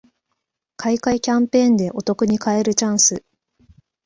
買い換えキャンペーンでお得に買えるチャンス